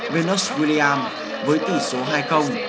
venus william với tỷ số hai